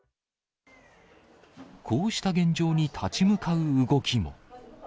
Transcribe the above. こうした現状に立ち向かう動